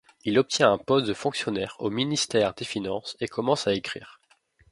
Il obtient un poste de fonctionnaire au Ministère des finances et commence à écrire.